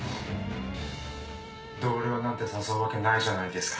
同僚なんて誘うわけないじゃないですか。